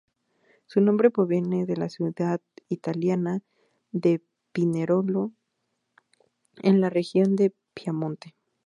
Su nombre proviene de la ciudad italiana de Pinerolo en la región de Piamonte.